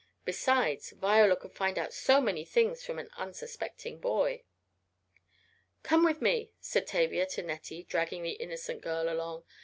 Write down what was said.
Besides, Viola could find out so many things from an unsuspecting boy. "Come with me," said Tavia to Nettie, dragging the innocent girl along.